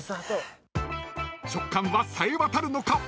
［直感はさえわたるのか？